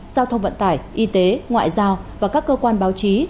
giao thông vận tải y tế ngoại giao và các cơ quan báo chí